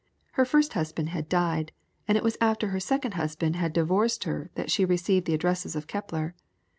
Her first husband had died; and it was after her second husband had divorced her that she received the addresses of Kepler.